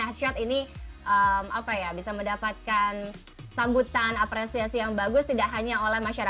headshot ini apa ya bisa mendapatkan sambutan apresiasi yang bagus tidak hanya oleh masyarakatnya